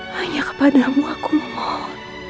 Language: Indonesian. hanya kepadamu aku memohon